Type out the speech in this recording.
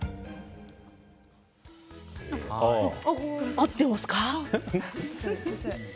合っていますか？